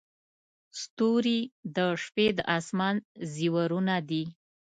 • ستوري د شپې د اسمان زیورونه دي.